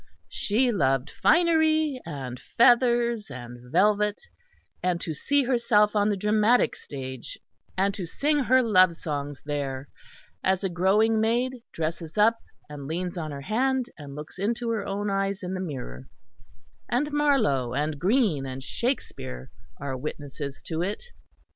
She loved finery and feathers and velvet, and to see herself on the dramatic stage and to sing her love songs there, as a growing maid dresses up and leans on her hand and looks into her own eyes in the mirror and Marlowe and Greene and Shakespeare are witnesses to it.